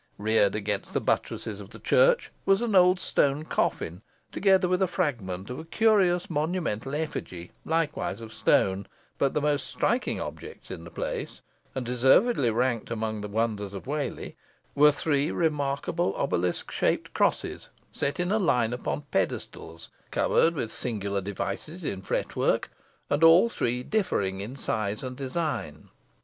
Reared against the buttresses of the church was an old stone coffin, together with a fragment of a curious monumental effigy, likewise of stone; but the most striking objects in the place, and deservedly ranked amongst the wonders of Whalley, were three remarkable obelisk shaped crosses, set in a line upon pedestals, covered with singular devices in fretwork, and all three differing in size and design.